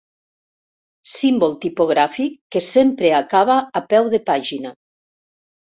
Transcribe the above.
Símbol tipogràfic que sempre acaba a peu de pàgina.